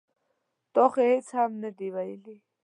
ـ تا خو هېڅ هم نه دي ویلي.